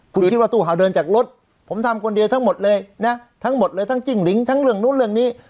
คุณคิดว่าตู้เห่าเดินจากรถผมทำคนเดียวทั้งหมดเลยนะทั้งหมดเลยทั้งจิ้งหลิงทั้งเรื่องนู้นเรื่องนี้